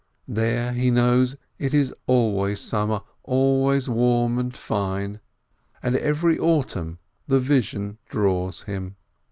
There he knows it is always summer, always warm and fine. And every autumn the vision draws him.